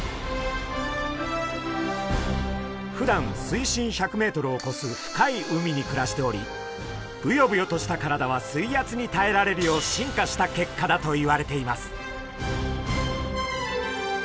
ふだん水深１００ｍをこす深い海に暮らしておりブヨブヨとした体は水圧にたえられるよう進化した結果だといわれています。